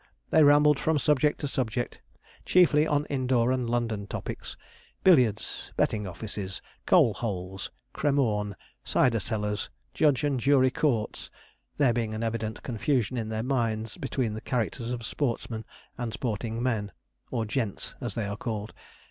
They rambled from subject to subject, chiefly on indoor and London topics; billiards, betting offices, Coal Holes, Cremorne, Cider Cellars, Judge and Jury Courts, there being an evident confusion in their minds between the characters of sportsmen and sporting men, or gents as they are called.